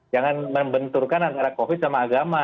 jangan membenturkan antara covid sama agama